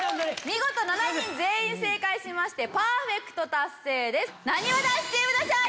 見事７人全員正解しましてパーフェクト達成です。